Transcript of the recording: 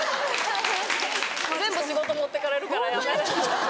全部仕事持ってかれるから。